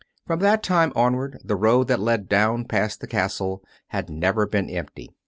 From that time onwards the road that led down past the Castle had never been empty.